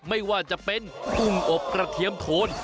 ไม่ว่าจะเป็นกุ้งอบกระเทียมโทน